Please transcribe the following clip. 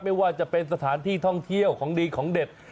ไม่ว่าจะเป็นสถานที่ท่องเที่ยวของดีของเด็ด